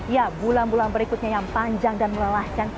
ya bulan bulan berikutnya yang panjang dan melelahkan